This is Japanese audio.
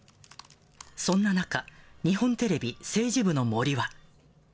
そんな中、日本テレビ政治部の森は。